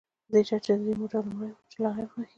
په شرط د دې چې موټر دې لومړی وي، چې لاره ووهي.